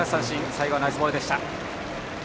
最後はナイスボールでした。